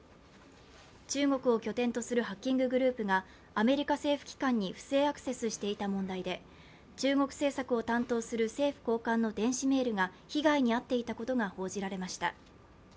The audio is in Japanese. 中国を拠点とするハッキンググループがアメリカ政府機関に不正アクセスしていた問題で中国政策を担当する政府高官の電子メールが被害に遭っていたことが報じられました。